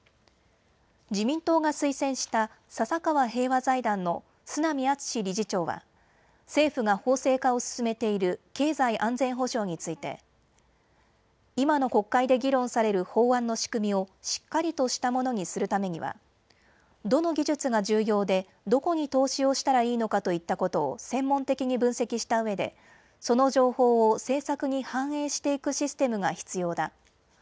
自民党が推薦した笹川平和財団の角南篤理事長は政府が法制化を進めている経済安全保障について今の国会で議論される法案の仕組みをしっかりとしたものにするためにはどの技術が重要でどこに投資をしたらいいのかといったことを専門的に分析したうえでその情報を政策に反映していくシステムが必要だ。